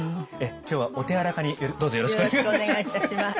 今日はお手柔らかにどうぞよろしくお願いいたします。